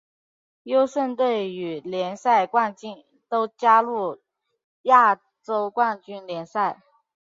优胜队与联赛冠军都加入亚洲冠军联赛。